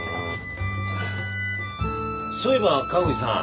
そういえば川藤さん。